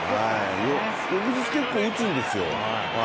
翌日結構打つんですよ。